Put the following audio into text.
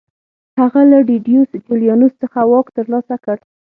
هغه له ډیډیوس جولیانوس څخه واک ترلاسه کړ